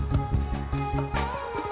si diego udah mandi